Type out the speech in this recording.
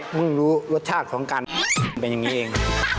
มึงรู้รสชาติของการแบ่งเอง